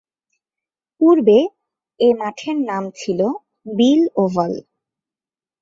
পূর্বে এ মাঠের নাম ছিল বিল ওভাল।